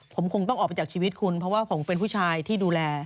ผมคงต้องออกไปจากชีวิตคุณเพราะว่าผมเป็นผู้ชายที่ดูแล